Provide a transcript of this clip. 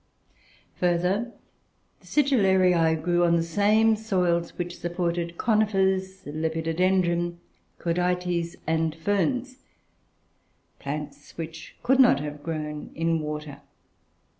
Further, the Sigillarioe grew on the same soils which supported Conifers, Lepidodendra, Cordaites, and Ferns plants which could not have grown in water.